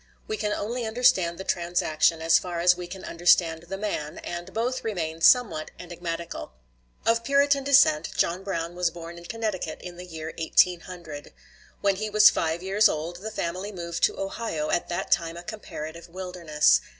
We can only understand the transaction as far as we can understand the man, and both remain somewhat enigmatical. Of Puritan descent, John Brown was born in Connecticut in the year 1800. When he was five years old, the family moved to Ohio, at that time a comparative wilderness.